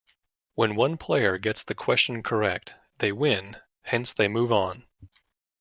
When one player gets the question correct, they win, hence they move on.